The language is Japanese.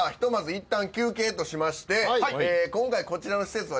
いったん休憩としまして今回こちらの施設はですね